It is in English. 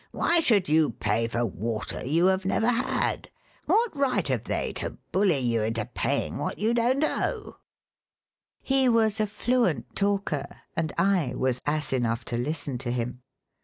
Why should you pay for water you have never had? What right have they to bully you into paying what you don't owe?" He was a fluent talker, and I was ass enough to listen to him.